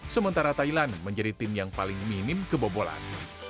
sementara thailand menjadi tim yang paling minim kebobolan